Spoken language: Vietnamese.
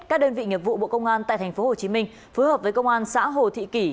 các đơn vị nghiệp vụ bộ công an tại tp hcm phối hợp với công an xã hồ thị kỷ